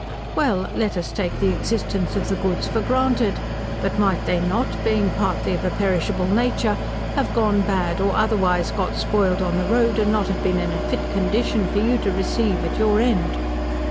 "Well, let us take the existence of the goods for granted. But might they not, being partly of a perishable nature, have gone bad or otherwise got spoiled on the road, and not have been in a fit condition for you to receive at your end?"